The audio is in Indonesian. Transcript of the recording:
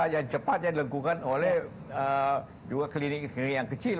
yang cepat yang dilakukan oleh dua klinik klinik yang kecil